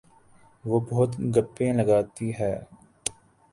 وہ بہت گپیں لگاتی ہے